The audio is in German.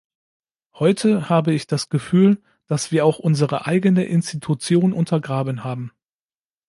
Heute habe ich das Gefühl, dass wir auch unsere eigene Institution untergraben haben.